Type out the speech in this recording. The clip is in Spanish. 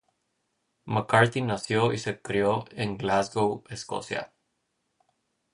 McCarthy nació y se crio en Glasgow, Escocia.